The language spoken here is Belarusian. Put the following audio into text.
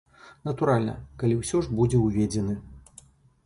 Натуральна, калі ўсё ж будзе ўведзены.